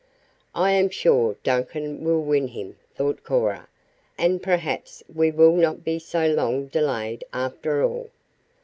"I am sure Duncan will win him," thought Cora, "and perhaps we will not be so long delayed, after all."